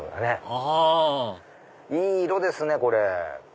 あいい色ですねこれ。